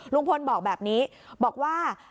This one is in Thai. ลุงพลบอกแบบนี้บอกว่า